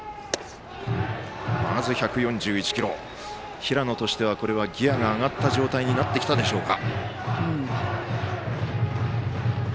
平野としてはギヤが上がった状態になってきたでしょうか。